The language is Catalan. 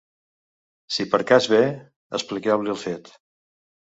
Si per cas ve, expliqueu-li el fet.